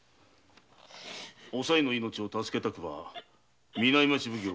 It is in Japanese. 「おさいの命を助けたくば南町奉行・大岡